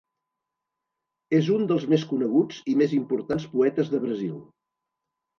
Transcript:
És un dels més coneguts i més importants poetes de Brasil.